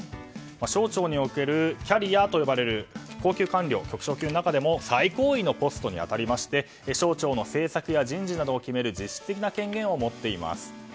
省庁におけるキャリアと呼ばれる高級官僚の中でも最高位のポストに当たりまして省庁の政策や人事などを決める権限を持っています。